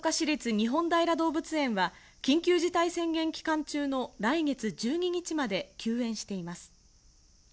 日本平動物園は、緊急事態宣言期間中の来月１２日まで休園しています。